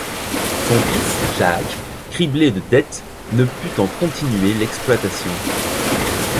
Son fils Jacques, criblé de dettes, ne put en continuer l'exploitation.